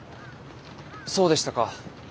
そうでしたか。